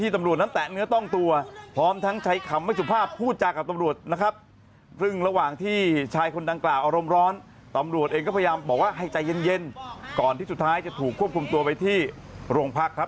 ตำรวจเองก็พยายามบอกว่าหายใจเย็นก่อนที่สุดท้ายจะถูกควบคุมตัวไปที่โรงพักษณ์ครับ